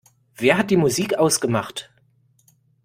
Wer hat die Musik ausgemacht?